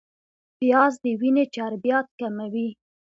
پیاز د وینې چربیات کموي